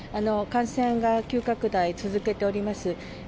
感染が急拡大、続けております。